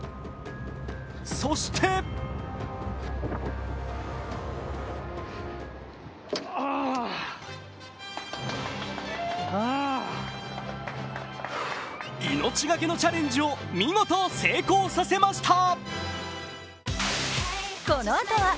そして命がけのチャレンジを見事成功させました。